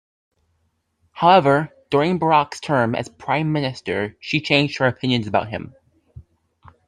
However, during Barak's term as prime minister she changed her opinions about him.